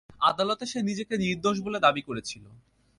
আদালতে সে নিজেকে নির্দোষ বলে দাবি করেছিল।